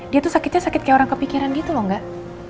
dia tuh sakitnya sakit kayak orang kepikiran gitu loh enggak